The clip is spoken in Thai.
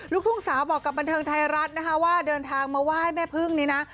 ลูกทุ่งสาวบอกกับบันเทิงไทยรัฐนะคะว่าเดินทางมาไหว้แม่พึ่งนี้นะ